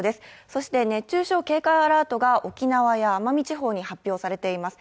そして、熱中症警戒アラートが沖縄や奄美地方に発表されています。